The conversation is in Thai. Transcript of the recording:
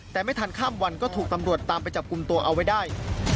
แต่ไม่ทันข้ามวันก็ถูกตำรวจตามไปจับกลุ่มตัวเอาไว้ได้